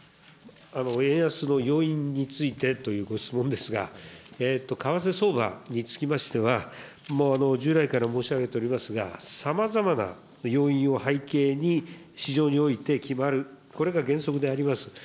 円安の要因についてというご質問ですが、為替相場につきましては、従来から申し上げておりますが、さまざまな要因を背景に、市場において決まる、これが原則であります。